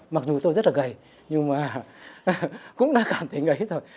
mặc dù tôi rất là gầy nhưng mà cũng đã cảm thấy gầy rồi